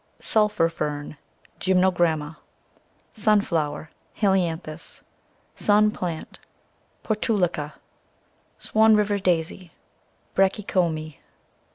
Sulphur Fern, CC Gytnnogramma. Sunflower, CI Helianthus. Sun Plant, <( Portulaca, Swan River Daisy, C( Br achy come.